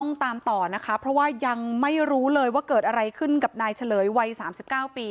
ต้องตามต่อนะคะเพราะว่ายังไม่รู้เลยว่าเกิดอะไรขึ้นกับนายเฉลยวัย๓๙ปี